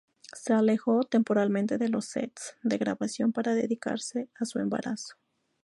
Se alejó temporalmente de los sets de grabación para dedicarse a su embarazo.